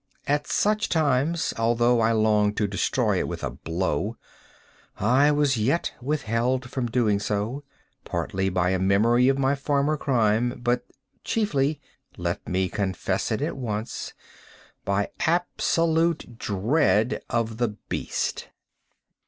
At such times, although I longed to destroy it with a blow, I was yet withheld from so doing, partly by a memory of my former crime, but chiefly—let me confess it at once—by absolute dread of the beast.